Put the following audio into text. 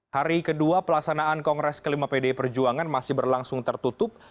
hari kedua pelaksanaan kongres kelima pdi perjuangan masih berlangsung tertutup